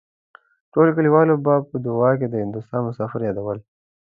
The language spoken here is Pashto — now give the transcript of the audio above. ټولو کليوالو به په دعاوو کې د هندوستان مسافر يادول.